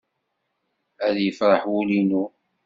Ad yefreḥ wul-inu.